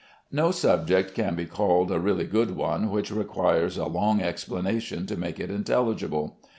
No subject can be called a really good one which requires a long explanation to make it intelligible.